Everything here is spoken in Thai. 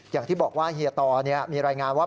อย่างที่บอกว่าเฮียตอมีรายงานว่า